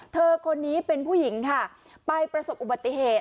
เธอคนนี้เป็นผู้หญิงค่ะไปประสบอุบัติเหตุ